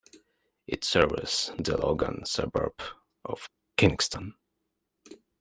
It serves the Logan suburb of Kingston.